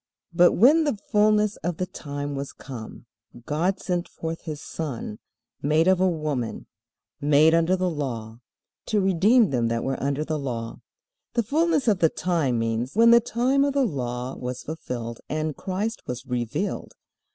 But when the fullness of the time was come, God sent forth his Son, made of a woman, made under the law, to redeem them that were under the law. "The fullness of the time" means when the time of the Law was fulfilled and Christ was revealed.